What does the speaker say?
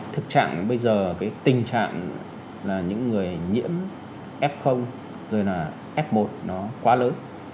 thực trạng bây giờ tình trạng là những người nhiễm f rồi f một nó quá lớn